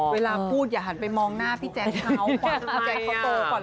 เวลาพูดอย่าหันไปมองหน้าพี่แจ๊คเขา